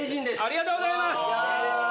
ありがとうございます。